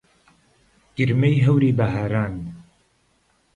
گرمەی هەوری بەهاران